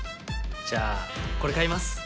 じゃあこれ買います。